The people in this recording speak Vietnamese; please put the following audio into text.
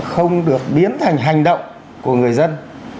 không được biến thành hành động của người dân